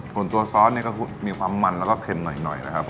สนตัวซอสก็มีความมันแล้วก็เค็มหน่อย